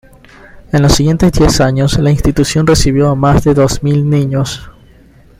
En los siguientes diez años, la institución recibió a más de dos mil niños.